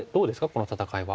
この戦いは。